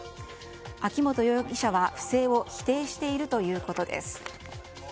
秋本容疑者は不正を否定しているということです。